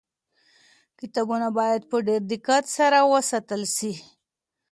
کتابونه باید په ډېر دقت سره وساتل سي.